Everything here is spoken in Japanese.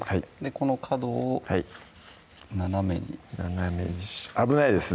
この角を斜めに斜めに危ないですね